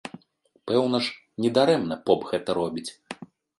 Пэўна ж, не дарэмна поп гэта робіць!